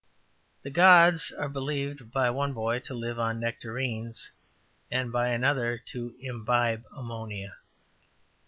The gods are believed by one boy to live on nectarines, and by another to imbibe ammonia.